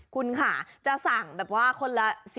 คุณค่ะจะสั่งคนละ